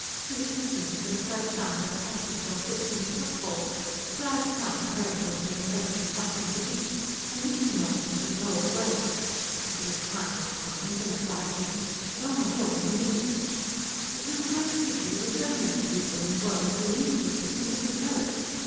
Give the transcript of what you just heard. She was listening for the first sound of Tussie's or Fritzing's footfall, the glad sound heralding the approach of something to eat, and wishing Robin would go away. He was kind at times and obliging, but on the whole a nuisance. It was a great pity there were so many people in the world who were nuisances and did not know it.